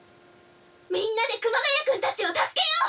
「みんなで熊谷君たちを助けよう！」